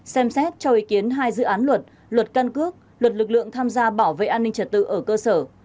xem xét cho ý kiến hai dự án luật luật căn cước luật lực lượng tham gia bảo vệ an ninh trật tự ở cơ sở